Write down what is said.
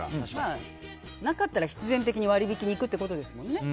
まあ、なかったら必然的に割引に行くってことですもんね。